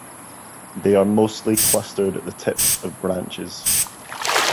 They are mostly clustered at the tips of the branches.